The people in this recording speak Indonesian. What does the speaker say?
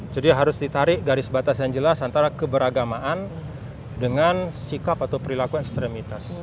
jadi harus ditarik garis batas yang jelas antara keberagamaan dengan sikap atau perilaku ekstremitas